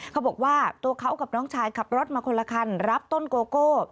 เขาบอกว่าตัวเขากับน้องชายขับรถมาคนละคันรับต้นโกโก้